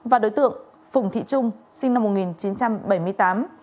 và đối tượng phùng thị trung sinh năm một nghìn chín trăm bảy mươi tám